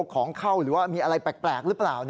ของเข้าหรือว่ามีอะไรแปลกหรือเปล่า